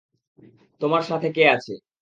তোমার সাথে কে আছে?